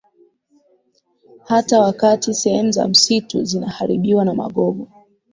hata wakati sehemu za msitu zinaharibiwa na magogo